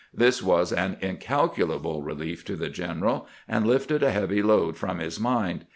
This was an incalculable relief to the general, and lifted a heavy load from his mind.